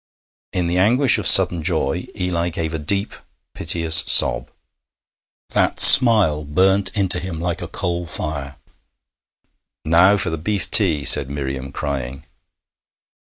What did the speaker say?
In the anguish of sudden joy Eli gave a deep, piteous sob. That smile burnt into him like a coal of fire. 'Now for the beef tea,' said Miriam, crying.